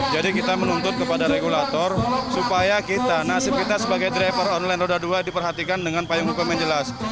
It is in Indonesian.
jadi kita menuntut kepada regulator supaya kita nasib kita sebagai driver online roda dua diperhatikan dengan payung hukum yang jelas